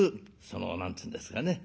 その何て言うんですかね